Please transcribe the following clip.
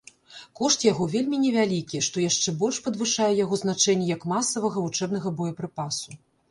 Кошт яго вельмі невялікі, што яшчэ больш падвышае яго значэнне як масавага вучэбнага боепрыпасу.